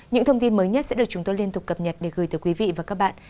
những thông tin mới nhất sẽ được chúng tôi liên tục cập nhật để gửi tới quý vị và các bạn